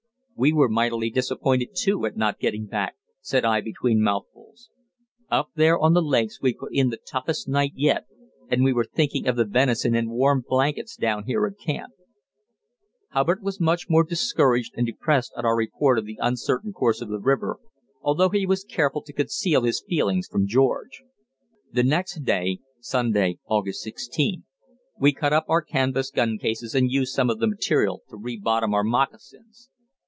"We were mightily disappointed, too, at not getting back," said I between mouthfuls. "Up there on the lakes we put in the toughest night yet, and we were thinking of the venison and warm blankets down here at camp." Hubbard was much discouraged and depressed at our report of the uncertain course of the river, although he was careful to conceal his feelings from George. The next day (Sunday, August 16) we cut up our canvas guncases and used some of the material to re bottom our moccasins.